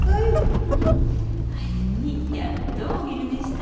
歩やっとお昼寝した。